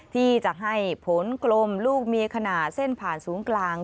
ที่จะให้ผลกลมลูกมีขนาดเส้นผ่านศูนย์กลาง